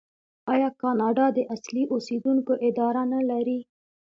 آیا کاناډا د اصلي اوسیدونکو اداره نلري؟